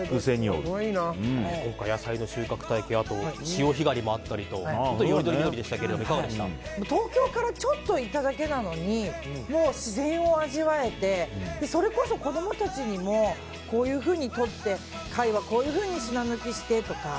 今回、野菜の収穫体験でしたが潮干狩りもあったりとよりどりみどりでしたが東京からちょっと行っただけなのに自然を味わえてそれこそ、子供たちにもこういうふうにとって、貝はこういうふうに砂抜きしてとか。